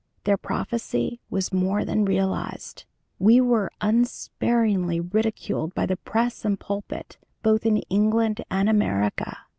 Their prophecy was more than realized; we were unsparingly ridiculed by the press and pulpit both in England and America.